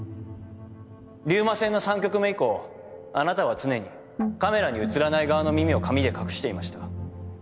竜馬戦の３局目以降あなたは常にカメラに写らない側の耳を髪で隠していました。